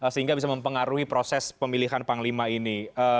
sehingga bisa mempengaruhi proses pemilihan panglima ini